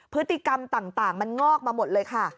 พฤติกรรมต่างมันงอกมาหมดเลยค่ะ